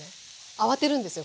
慌てるんですよ